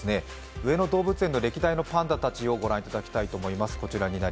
上野動物園の歴代のパンダたちを御覧いただきたいと思います。